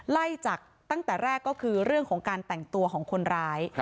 ไล่จากตั้งแต่แรกก็คือเรื่องของการแต่งตัวของคนร้าย